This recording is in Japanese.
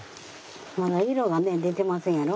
まだ色がね出てませんやろ。